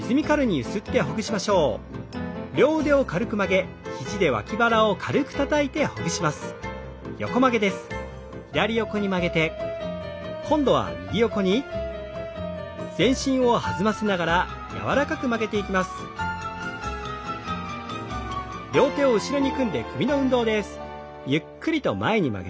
ゆっくりと前に曲げて後ろに。